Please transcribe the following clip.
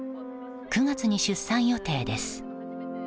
９月に出産予定です。